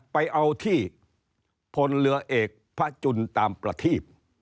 ไปเอาที่พลเรือเอกพระจุลตามประทีบ